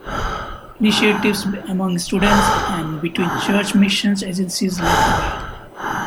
Initiatives among students and between church mission agencies led the way.